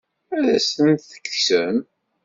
Ad asen-ten-tekksem?